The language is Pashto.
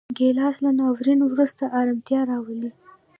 ګیلاس له ناورین وروسته ارامتیا راولي.